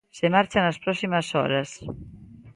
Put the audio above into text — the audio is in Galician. Se marcha nas próximas horas.